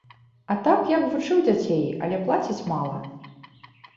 А так я б вучыў дзяцей, але плацяць мала.